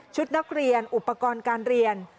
นักเรียนอุปกรณ์การเรียน